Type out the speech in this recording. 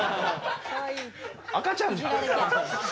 赤ちゃんじゃん。